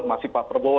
masih pak prabowo